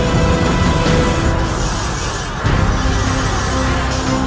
berlutut di hadapanku